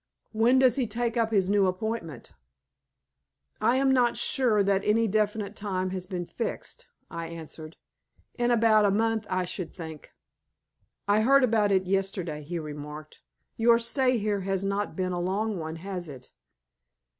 When does he take up his new appointment?" "I am not sure that any definite time has been fixed," I answered. "In about a month I should think." "I heard about it yesterday," he remarked. "Your stay here has not been a long one, has it?"